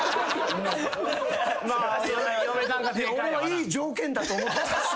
俺はいい条件だと思った。